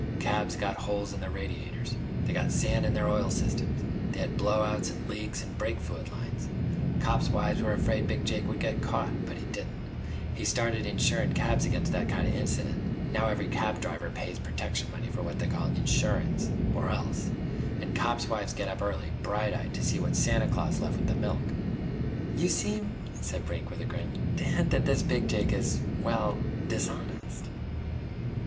Cabs got holes in their radiators. They got sand in their oil systems. They had blowouts an' leaks in brake fluid lines. Cops' wives were afraid Big Jake would get caught. But he didn't. He started insurin' cabs against that kinda accident. Now every cab driver pays protection money for what they call insurance or else. An' cops' wives get up early, bright eyed, to see what Santa Claus left with the milk." "You seem," said Brink with a grin, "to hint that this Big Jake is ... well ... dishonest."